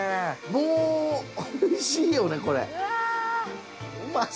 もうおいしいよねこれ。